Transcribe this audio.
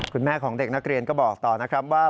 คุณแม่ของเด็กนักเรียนก็บอกต่อนะครับว่า